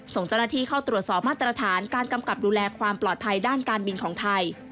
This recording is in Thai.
ส่งเจ้าหน้าที่เข้าตรวจสอบมาตรฐานการกำกับดูแลความปลอดภัยด้านการบินของไทย